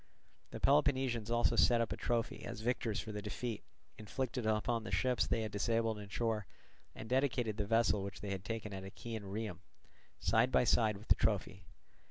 The Peloponnesians also set up a trophy as victors for the defeat inflicted upon the ships they had disabled in shore, and dedicated the vessel which they had taken at Achaean Rhium, side by side with the trophy.